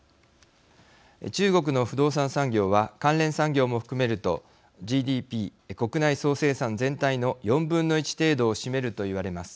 中国の不動産産業は関連産業も含めるとＧＤＰ＝国内総生産全体の４分の１程度を占めるといわれます。